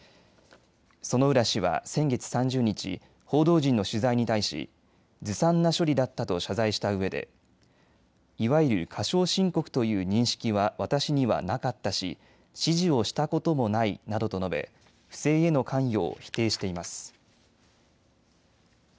薗浦氏は先月３０日、報道陣の取材に対しずさんな処理だったと謝罪したうえでいわゆる過少申告という認識は私にはなかったし指示をしたこともないなどと述べ不正への関与を否定しています。